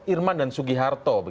irman dan sugiharto